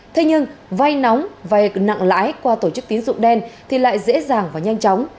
thế nhưng vai nóng vai nặng lãi qua tổ chức tiến dụng đen thì lại dễ dàng và nhanh chóng